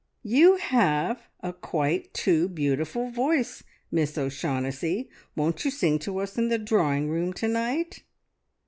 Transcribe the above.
"`You have a quite too beautiful voice, Miss O'Shaughnessy. Won't you sing to us in the drawing room to night?'